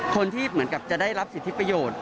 คนที่เหมือนกับจะได้รับสิทธิประโยชน์